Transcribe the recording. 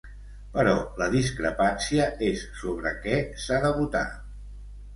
Però la discrepància és sobre què s’ha de votar.